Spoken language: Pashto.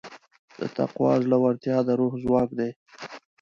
د تقوی زړورتیا د روح ځواک دی.